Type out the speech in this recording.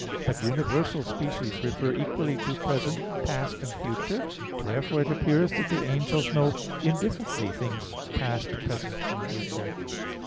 But universal species refer equally to present, past, and future. Therefore it appears that the angels know indifferently things past, present, and future.